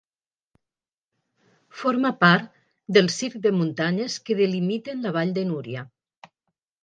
Forma part del circ de muntanyes que delimiten la Vall de Núria.